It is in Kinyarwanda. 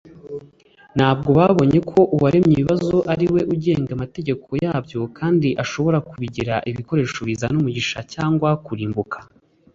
Ntabwo babonye ko uwaremye ibibaho ari we ugenga amategeko yabyo kandi ashobora kubigira ibikoresho bizana umugisha cyangwa kurimbuka